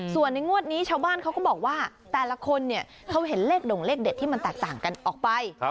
ส่วนในงวดนี้ชาวบ้านเขาก็บอกว่าแต่ละคนเนี่ยเขาเห็นเลขด่งเลขเด็ดที่มันแตกต่างกันออกไป